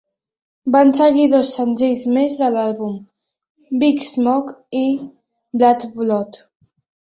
Van seguir dos senzills més de l'àlbum: "Big Smoke" i "Bad Blood".